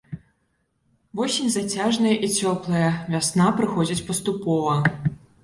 Восень зацяжная і цёплая, вясна прыходзіць паступова.